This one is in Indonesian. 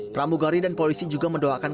pramugari dan polisi juga mendoakan